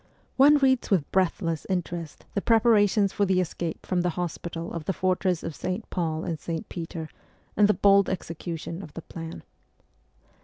One reads with breathless interest the preparations for the escape from the hospital of the fortress of St. Paul and St. Peter, and the bold execution of the plan.